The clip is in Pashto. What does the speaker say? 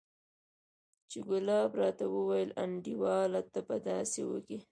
چې ګلاب راته وويل انډيواله ته به داسې وکې.